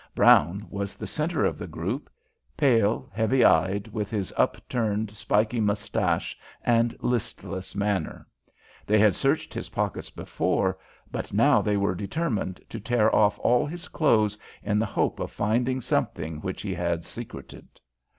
Brown was the centre of the group, pale, heavy eyed, with his upturned, spiky moustache and listless manner. They had searched his pockets before, but now they were determined to tear off all his clothes in the hope of finding something which he had secreted.